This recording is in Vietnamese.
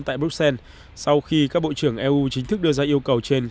tại bruxelles sau khi các bộ trưởng eu chính thức đưa ra yêu cầu trên